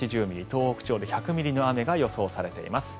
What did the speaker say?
東北地方で１００ミリの雨が予想されています。